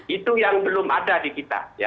itu yang belum ada di kita